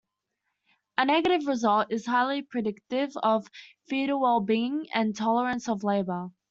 A negative result is highly predictive of fetal wellbeing and tolerance of labor.